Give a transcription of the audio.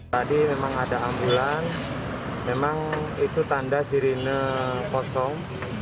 tadi memang ada ambulan memang itu tanda sirine kosong